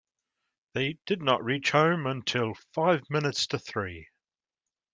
They did not reach home until five minutes to three.